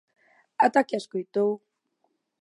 Ata que a escoitou.